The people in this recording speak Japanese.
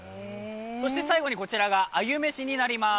そして最後にこちらがアユ飯になります。